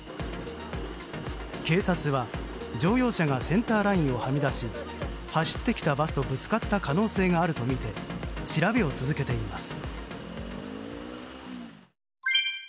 警察は乗用車がセンターラインをはみ出し走ってきたバスとぶつかった可能性があるとみて調べを続けています。